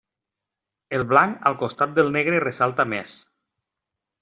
El blanc al costat del negre ressalta més.